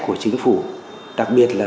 của chính phủ đặc biệt là